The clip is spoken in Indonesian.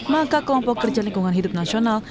maka kelompok kerja lingkungan hidup nasional